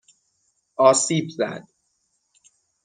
آسیبزد